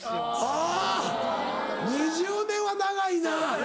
あぁ２０年は長いな。